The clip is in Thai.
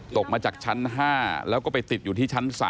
ตกมาจากชั้น๕แล้วก็ไปติดอยู่ที่ชั้น๓